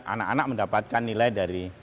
anak anak mendapatkan nilai dari